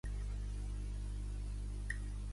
La Cort va decidir a favor de De Forest.